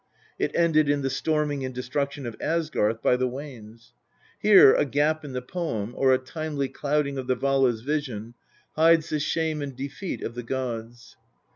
It ended in the storming and destruction of Asgarth by the Wanes. Here a gap in the poem or a timely clouding of the Vala's vision hides the shame and defeat of the gods.